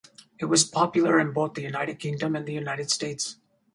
It was popular in both the United Kingdom and the United States.